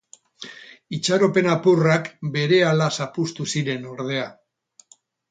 Itxaropen apurrak berehala zapuztu ziren ordea.